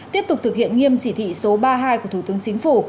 tiếp tục thực hiện nghiêm chỉ thị số ba mươi hai của thủ tướng chính phủ